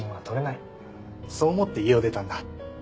そう思って家を出たんだ。